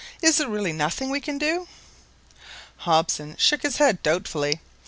Is there really nothing we can do?" Hobson shook his head doubtfully.